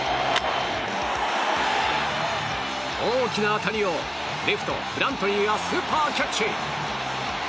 大きな当たりをレフトのブラントリーがスーパーキャッチ！